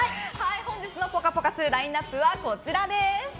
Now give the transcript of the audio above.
本日の「ぽかぽか」ラインアップは、こちらです。